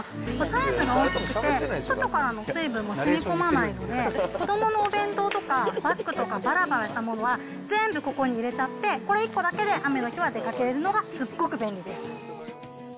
サイズが大きくて、外から水分もしみこまないので、子どものお弁当とか、バッグとか、ばらばらしたものは全部ここに入れちゃって、これ１個だけで雨の日は出かけられるのがすっごく便利です。